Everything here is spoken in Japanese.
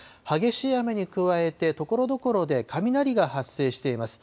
激しい雨に加えて、ところどころで雷が発生しています。